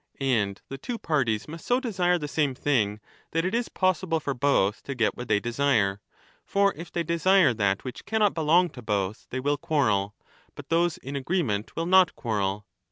And the two parties must so desire the same thing that it is possible for both to get what they desire ;^ for if they desire that which cannot belong to both, they 30 will quarrel ; but those in agreement will not quarrel.